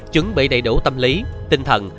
chuẩn bị đầy đủ tâm lý tinh thần